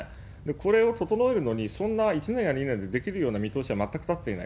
これを整えるのにそんな１年や２年でできるような見通しは全く立っていない。